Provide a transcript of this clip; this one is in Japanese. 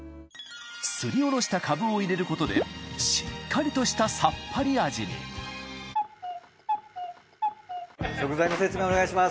すりおろしたカブを入れることでしっかりとしたさっぱり味に食材の説明お願いします。